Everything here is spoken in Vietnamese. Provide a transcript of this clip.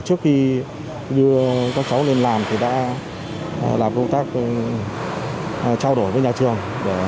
trước khi đưa các cháu lên làm thì đã làm công tác trao đổi với nhà trường